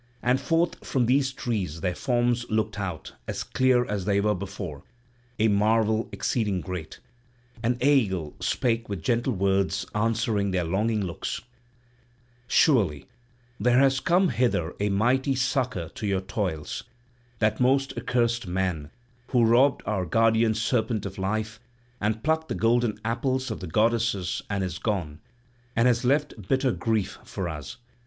And forth from these trees their forms looked out, as clear as they were before, a marvel exceeding great, and Aegle spake with gentle words answering their longing looks: "Surely there has come hither a mighty succour to your toils, that most accursed man, who robbed our guardian serpent of life and plucked the golden apples of the goddesses and is gone; and has left bitter grief for us.